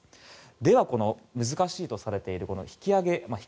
では、難しいとされている引き揚げ。